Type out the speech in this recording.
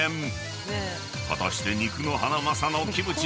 ［果たして肉のハナマサのキムチの値段は？］